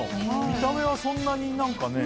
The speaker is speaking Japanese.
見た目はそんなに何かね。